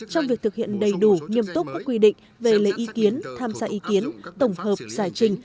trong việc thực hiện đầy đủ nghiêm túc các quy định về lấy ý kiến tham gia ý kiến tổng hợp giải trình